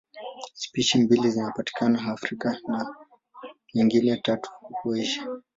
Spishi mbili zinapatikana Afrika na nyingine tatu huko Asia.